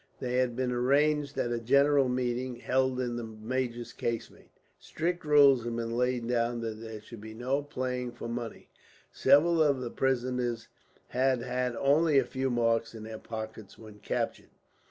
This had been arranged at a general meeting, held in the major's casemate. Strict rules had been laid down that there should be no playing for money. Several of the prisoners had had only a few marks in their pockets when captured.